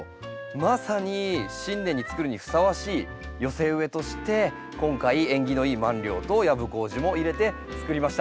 まさに新年につくるにふさわしい寄せ植えとして今回縁起のいいマンリョウとヤブコウジも入れてつくりました。